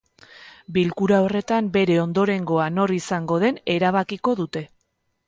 Bilkura horretan bere ondorengoa nor izango den erabakiko dute.